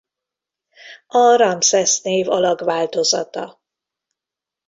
A Ramszesz név alakváltozata.